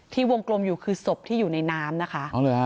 วงกลมอยู่คือศพที่อยู่ในน้ำนะคะ